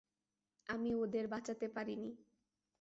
আমি ওদের বাঁচাতে পারিনি।